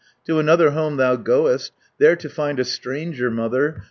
To another home thou goest, There to find a stranger mother.